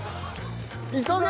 急げ。